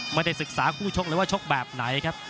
ไม่ได้ศึกษาคู่ชกเลยว่าชกแบบไหนครับ